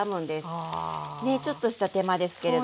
ねっちょっとした手間ですけれども。